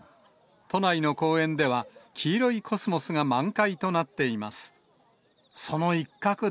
都内の公園では、黄色いコスモスが満開となっています。